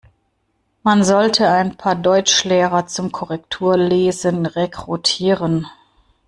Man sollte ein paar Deutschlehrer zum Korrekturlesen rekrutieren.